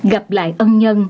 gặp lại ân nhân